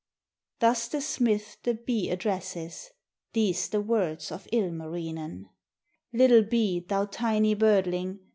Thus the smith the bee addresses. These the words of Ilmarinen: "Little bee, thou tiny birdling.